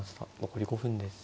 残り５分です。